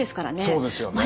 そうですよね。